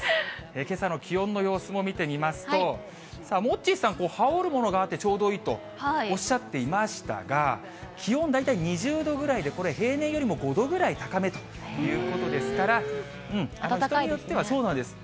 けさの気温の様子も見てみますと、さあ、モッチーさん、羽織るものがあってちょうどいいとおっしゃっていましたが、気温、大体２０度ぐらいで、これ、平年よりも５度ぐらい高めということですから、暖かいですね。